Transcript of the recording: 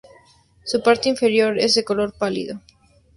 Su parte inferior es de color pálido.